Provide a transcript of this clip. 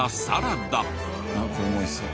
これも美味しそう。